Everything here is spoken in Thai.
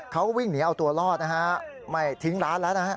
เขาวิ่งหนีเอาตัวรอดนะฮะไม่ทิ้งร้านแล้วนะฮะ